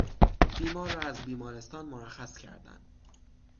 بیمار را از بیمارستان مرخص کردن